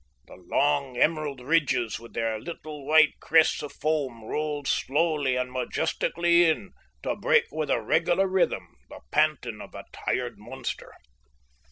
The long, emerald ridges, with their little, white crests of foam, rolled slowly and majestically in, to break with a regular rhythm the panting of a tired monster.